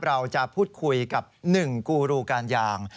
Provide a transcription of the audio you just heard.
เราจะพูดคุยกับ๑กูรูการยาง